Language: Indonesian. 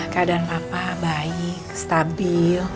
keadaan papa baik stabil